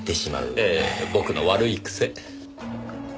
ええ僕の悪い癖。